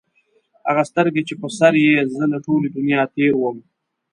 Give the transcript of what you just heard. هغه سترګي چې په سر یې زه له ټولي دنیا تېر وم